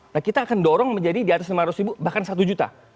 nah kita akan dorong menjadi di atas lima ratus ribu bahkan satu juta